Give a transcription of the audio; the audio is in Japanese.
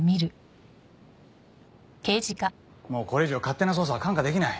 もうこれ以上勝手な捜査は看過できない。